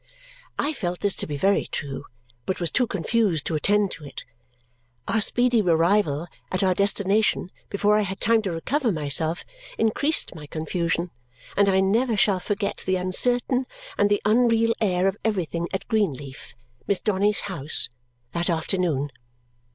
I felt this to be very true but was too confused to attend to it. Our speedy arrival at our destination, before I had time to recover myself, increased my confusion, and I never shall forget the uncertain and the unreal air of everything at Greenleaf (Miss Donny's house) that afternoon!